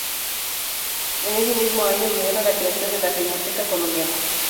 En ese mismo año lidera la creación de la Filmoteca Colombiana.